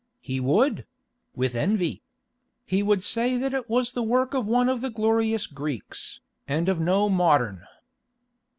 "He would—with envy. He would say that it was the work of one of the glorious Greeks, and of no modern."